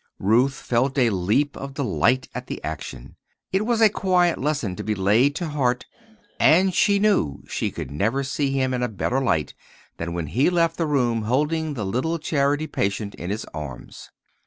Ruth felt a leap of delight at the action. It was a quiet lesson to be laid to heart; and she knew she could never see him in a better light than when he left the room holding the little charity patient in his arms.